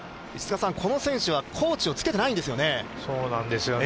この選手はコーチをつけてないんですよね。